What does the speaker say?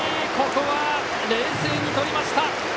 ここは冷静にとりました！